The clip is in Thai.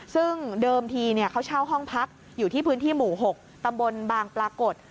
ซึ่งเดิมทีเขาเช่าห้องพักอยู่ที่พื้นที่หมู่๖ตำบลบางปรากฏ